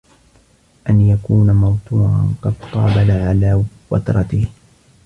أَنْ يَكُونَ مَوْتُورًا قَدْ قَابَلَ عَلَى وَتْرَتِهِ